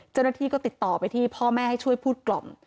เจ้าหน้าที่ก็ติดต่อไปที่พ่อแม่ให้ช่วยพูดกล่อม